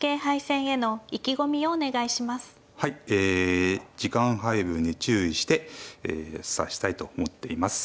はいえ時間配分に注意して指したいと思っています。